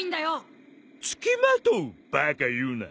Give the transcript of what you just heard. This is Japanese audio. バカ言うな！